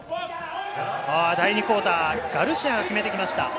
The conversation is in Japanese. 第２クオーター、ガルシアが決めてきました。